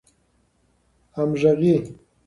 همږغۍ